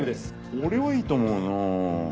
俺はいいと思うなあ。